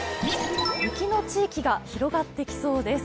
雪の地域が広がってきそうです。